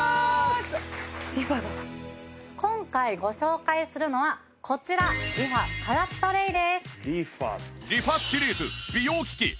今回ご紹介するのはこちらリファカラットレイです。